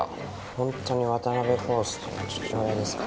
ホントに渡辺康介の父親ですか？